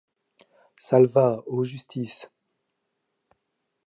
Salvat, ô justice!